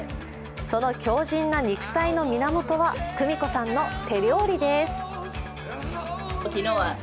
その強じんな肉体の源は久美子さんの手料理です。